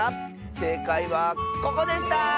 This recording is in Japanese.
せいかいはここでした！